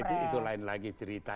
itu itu itu lain lagi cerita